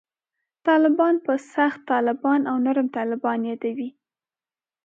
طالبان په «سخت طالبان» او «نرم طالبان» یادوي.